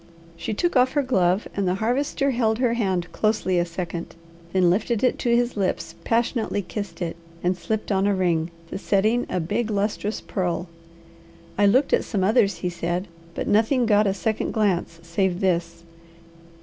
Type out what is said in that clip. She took off her glove and the Harvester held her hand closely a second, then lifted it to his lips, passionately kissed it and slipped on a ring, the setting a big, lustrous pearl. "I looked at some others," he said, "but nothing got a second glance save this.